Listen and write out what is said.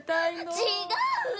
違う！